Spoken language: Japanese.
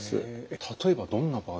例えばどんな場合ですか？